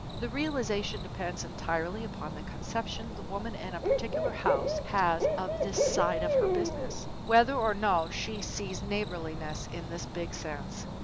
The realization depends entirely upon the conception the woman in a particular house has of this side of her Business whether or no she sees neighborliness in this big sense.